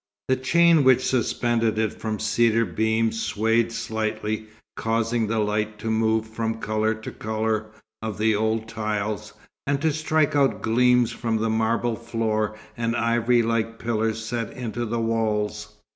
The chain which suspended it from cedar beams swayed slightly, causing the light to move from colour to colour of the old tiles, and to strike out gleams from the marble floor and ivory like pillars set into the walls.